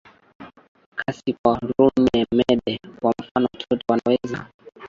kasi Kwa Runnymede kwa mfano watoto wanaweza